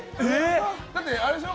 だって、あれでしょ？